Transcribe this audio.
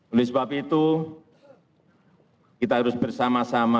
oleh sebab itu kita harus bersama sama